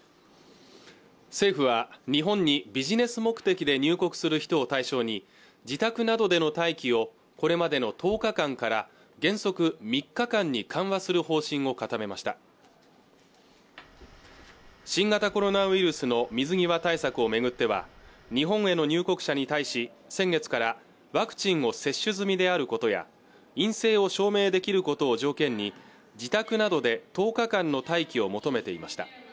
政府は日本にビジネス目的で入国する人を対象に自宅などでの待機をこれまでの１０日間から原則３日間に緩和する方針を固めました新型コロナウイルスの水際対策をめぐっては日本への入国者に対し先月からワクチンを接種済みであることや陰性を証明できることを条件に自宅などで１０日間の待機を求めていました